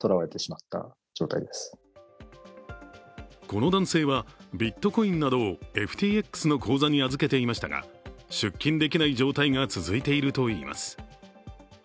この男性は、ビットコインなどをＦＴＸの口座に預けていましたが出金できない状態が続いているといいます。